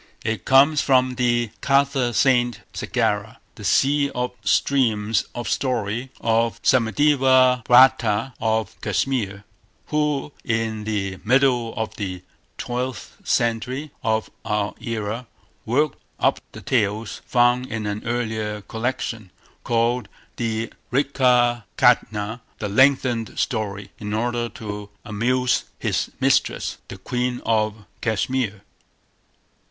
It comes from the Katha Sarit Sagara, the "Sea of Streams of Story" of Somadeva Bhatta of Cashmere, who, in the middle of the twelfth century of our era, worked up the tales found in an earlier collection, called the Vrihat Katha, "the lengthened story", in order to amuse his mistress, the Queen of Cashmere.